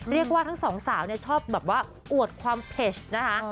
เรียกว่าทั้งสองสาวชอบอวดความเพจนะคะ